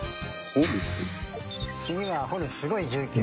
次は掘るすごい重機を。